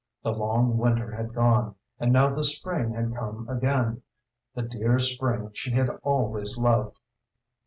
The long winter had gone, and now the spring had come again the dear spring she had always loved!